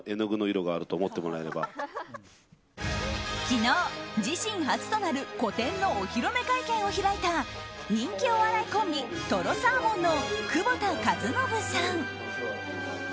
昨日、自身初となる個展のお披露目会見を開いた人気お笑いコンビとろサーモンの久保田和靖さん。